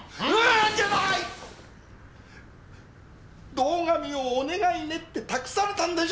堂上をお願いねって託されたんでしょ？